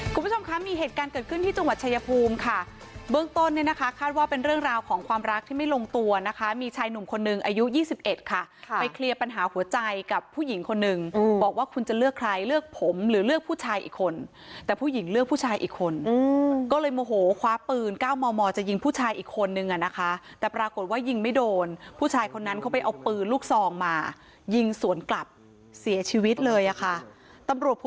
คุณผู้ชมค่ะมีเหตุการณ์เกิดขึ้นที่จังหวัดชายภูมิค่ะเบื้องต้นนะคะคาดว่าเป็นเรื่องราวของความรักที่ไม่ลงตัวนะคะมีชายหนุ่มคนนึงอายุยี่สิบเอ็ดค่ะค่ะไปเคลียร์ปัญหาหัวใจกับผู้หญิงคนนึงอืมบอกว่าคุณจะเลือกใครเลือกผมหรือเลือกผู้ชายอีกคนแต่ผู้หญิงเลือกผู้ชายอีกคนอืมก็เลยโมโหคว้าปืนเก้า